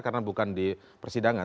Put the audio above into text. karena bukan di persidangan